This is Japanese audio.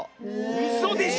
うそでしょ